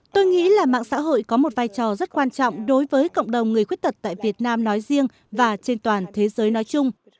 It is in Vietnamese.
tôi nghĩ là mạng xã hội có một vai trò rất quan trọng đối với cộng đồng người khuyết tật tại việt nam nói riêng và trên toàn thế giới nói chung